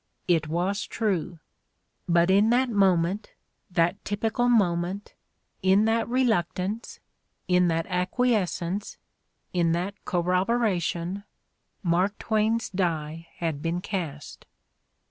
It was true. But in that moment — that typical moment, in that reluctance, in that acquiescence, in that corroboration, Mark Twain's die had been cast.